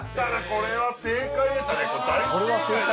これは正解でしたね大正解！